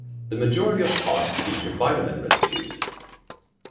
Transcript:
The majority of pots featured bitumen residues.